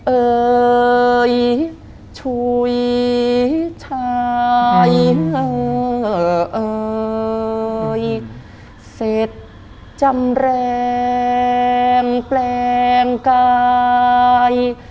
เอ่ยช่วยชายให้เอ่ยเสร็จจำแรงแปลงกาย